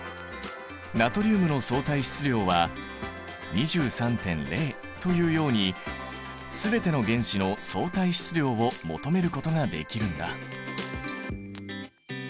ナトリウムの相対質量は２３．０というように全ての原子の相対質量を求めることができるんだ。